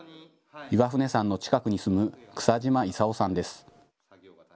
岩船山の近くに住む草島勲さんです。